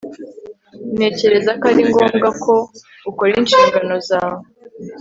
Ntekereza ko ari ngombwa ko ukora inshingano zawe